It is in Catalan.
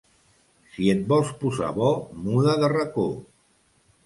Si et vols posar bo muda de racó.